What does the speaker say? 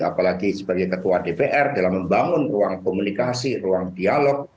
apalagi sebagai ketua dpr dalam membangun ruang komunikasi ruang dialog